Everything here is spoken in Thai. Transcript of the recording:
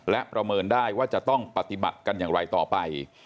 และประเมินได้ว่าจะต้องปฏิบัติกันอย่างไรต่อไป